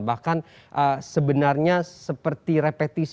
bahkan sebenarnya seperti repetisi